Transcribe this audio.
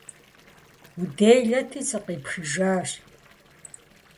- Уделэти, сыкъипхыжащ.